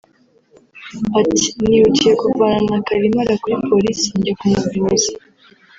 Ati « Nihutiye kuvana Ntakarimara kuri polisi njya kumuvuza